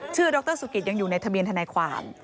ดรสุกิตยังอยู่ในทะเบียนทนายความ